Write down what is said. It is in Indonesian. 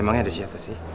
emang ada siapa sih